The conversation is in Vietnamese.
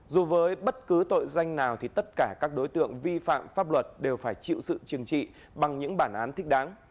dù với bất cứ tội danh nào thì tất cả các đối tượng vi phạm pháp luật đều phải chịu sự trừng trị bằng những bản án thích đáng